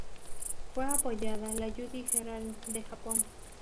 Fue apodada la Judy Garland del Japón.